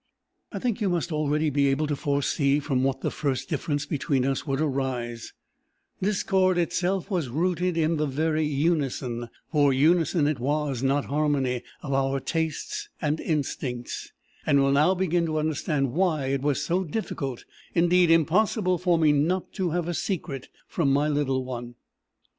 "I think you must already be able to foresee from what the first difference between us would arise: discord itself was rooted in the very unison for unison it was, not harmony of our tastes and instincts; and will now begin to understand why it was so difficult, indeed impossible for me, not to have a secret from my little one.